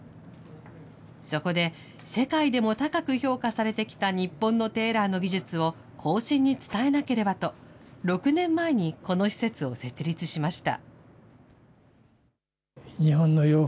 そこで、世界でも高く評価されてきた日本のテーラーの技術を後進に伝えなければと、６年前にこの施設を設立しました。